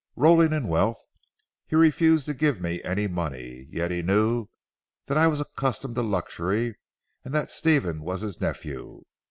Rolling in wealth, he refused 'to give me any money. Yet he knew that I was accustomed to luxury, and that Stephen was his nephew.